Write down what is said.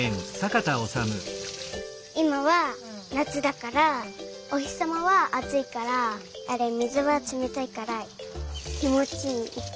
いまはなつだからおひさまはあついから水がつめたいからきもちいい。